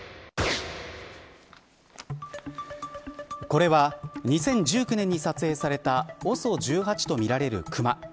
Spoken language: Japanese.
これは２０１９年に撮影されたＯＳＯ１８とみられるクマ。